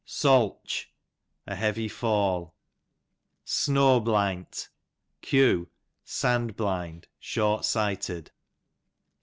Soltch, a heavy fall. Snoblint, q. sand blind, short sighted.